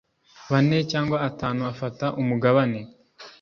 bane cyangwa atanu afata umugabane